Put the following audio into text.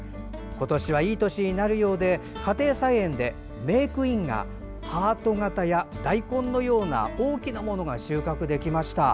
今年はいい年になるようで家庭菜園でメークインがハート形や大根のような大きなものが収穫できました。